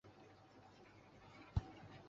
开始了追随忽必烈建功立业的政治生涯。